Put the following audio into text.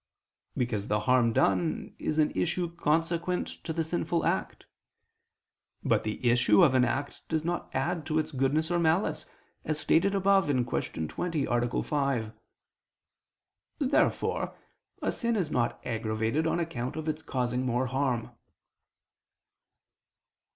Because the harm done is an issue consequent to the sinful act. But the issue of an act does not add to its goodness or malice, as stated above (Q. 20, A. 5). Therefore a sin is not aggravated on account of its causing more harm.